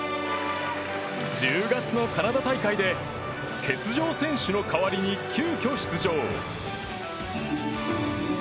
１０月のカナダ大会で欠場選手の代わりに急きょ出場。